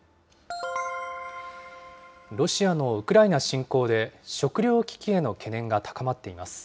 ロシアのウクライナ侵攻で、食糧危機への懸念が高まっています。